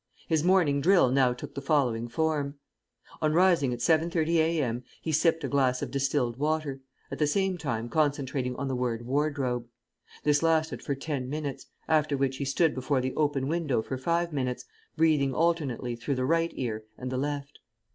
His morning drill now took the following form: On rising at 7.30 a.m. he sipped a glass of distilled water, at the same time concentrating on the word "wardrobe." This lasted for ten minutes, after which he stood before the open window for five minutes, breathing alternately through the right ear and the left.